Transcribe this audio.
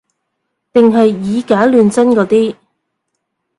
定係以假亂真嗰啲